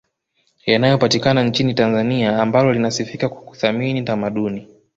yanayopatikana nchini Tanzania ambalo linasifika kwa kuthamini tamaduni